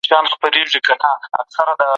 د مطالعې کلتور بايد په ښوونځيو کي پيل سي.